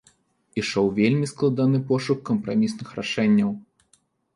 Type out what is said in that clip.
Ішоў вельмі складаны пошук кампрамісных рашэнняў.